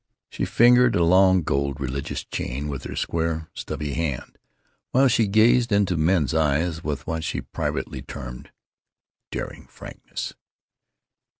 She fingered a long, gold, religious chain with her square, stubby hand, while she gazed into men's eyes with what she privately termed "daring frankness."